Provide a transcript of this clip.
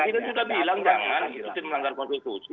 presiden sudah bilang jangan itu sih melanggar konstitusi